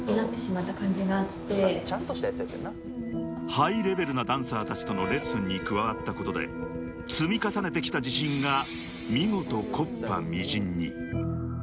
［ハイレベルなダンサーたちとのレッスンに加わったことで積み重ねてきた自信が見事］